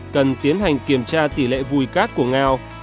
cần tiến hành kiểm tra tỷ lệ vùi cát của ngao